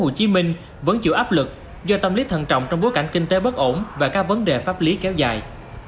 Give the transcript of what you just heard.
vẫn chịu áp lực do tâm lý thần trọng trong bối cảnh kinh tế bất ổn và các vấn đề pháp lý kéo dài